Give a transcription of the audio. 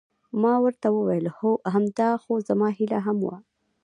ما ورته وویل: همدا خو زما هیله هم وه.